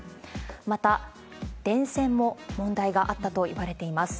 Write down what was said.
また、電線も問題があったといわれています。